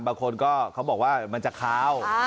บางคนก็เขาบอกว่ามันจะคาว